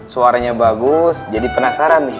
suaranya bagus jadi penasaran nih